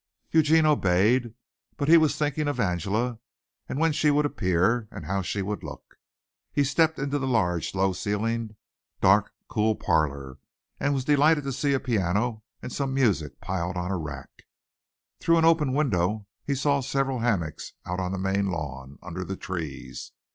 Eugene obeyed, but he was thinking of Angela and when she would appear and how she would look. He stepped into the large, low ceiled, dark, cool parlor and was delighted to see a piano and some music piled on a rack. Through an open window he saw several hammocks out on the main lawn, under the trees.